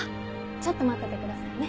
ちょっと待っててくださいね。